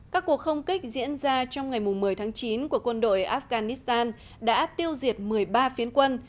các cuộc không kích diễn ra trong ngày một mươi tháng chín của quân đội afghanistan đã tiêu diệt một mươi ba phiến quân